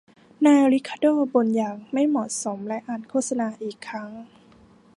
นายริคาร์โด้บ่นอย่างไม่เหมาะสมและอ่านโฆษณาอีกครั้ง